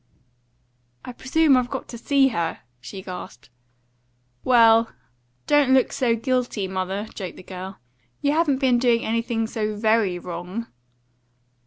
"I presume I've got to see her," she gasped. "Well, don't look so guilty, mother," joked the girl; "you haven't been doing anything so VERY wrong."